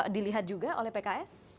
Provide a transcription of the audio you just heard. dilihat juga oleh pks